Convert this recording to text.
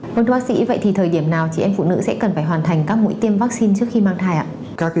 vâng thưa bác sĩ vậy thì thời điểm nào chị em phụ nữ sẽ cần phải hoàn thành các mũi tiêm vaccine trước khi mang thai ạ